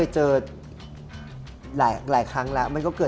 ใช่